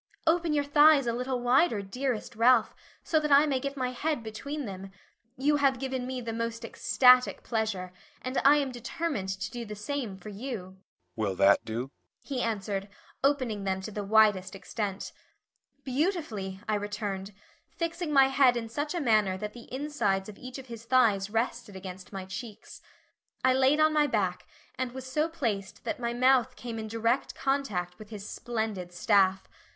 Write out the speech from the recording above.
"Open your thighs a little wider, dearest Ralph, so that I may get my head between them you have given me the most ecstatic pleasure, and I am determined to do the same for you." "Will that do?" he answered, opening them to the widest extent. "Beautifully," I returned, fixing my head in such a manner that the insides of each of his thighs rested against my cheeks. I laid on my back and was so placed that my mouth came in direct contact with his splendid staff.